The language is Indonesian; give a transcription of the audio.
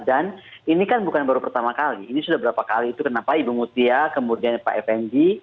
dan ini kan bukan baru pertama kali ini sudah beberapa kali itu kenapa ibu mutia kemudian pak fng